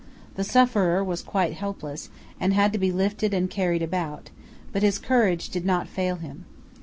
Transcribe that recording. The sufferer was quite helpless, and had to be lifted and carried about, but his courage did not fail him.